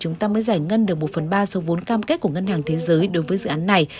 chúng ta sẽ giải quyết và giải ngân được một phần ba số vốn cam kết của ngân hàng thế giới đối với dự án này